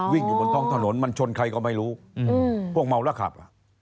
อยู่บนท้องถนนมันชนใครก็ไม่รู้พวกเมาแล้วขับ